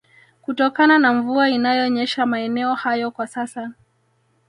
kutokana na mvua inayonyesha maeneo hayo kwa sasa